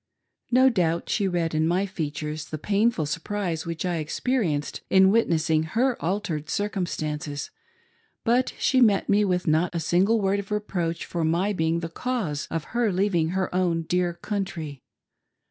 No doubt she read in my features the painful surprise which I experienced in witnessing her altered circumstances ; but she met me with not a single, word of reproach for my being the cause of her leav ing her own dedr country.